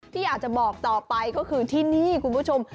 ที่อยากจะบอกต่อไปก็คือที่นี่คุณผู้ชม